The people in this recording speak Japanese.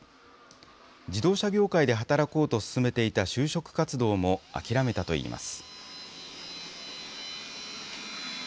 自動車業界で働こうと進めていた就職活動も諦めたといいます。